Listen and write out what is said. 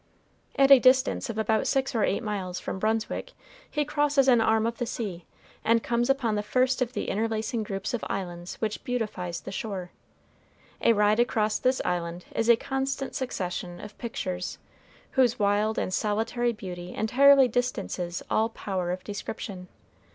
At a distance of about six or eight miles from Brunswick he crosses an arm of the sea, and comes upon the first of the interlacing group of islands which beautifies the shore. A ride across this island is a constant succession of pictures, whose wild and solitary beauty entirely distances all power of description.